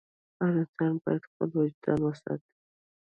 هر انسان باید خپل وجدان وساتي.